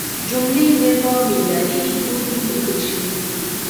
جملې دې په معیاري لیکدود ولیکل شي.